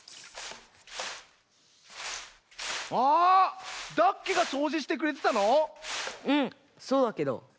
あダッケがそうじしてくれてたの⁉うんそうだけど。